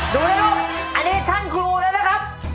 ดูนะลูกอันนี้ช่างครูแล้วนะครับ